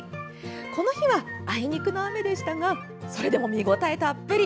この日は、あいにくの雨でしたがそれでも見応えたっぷり！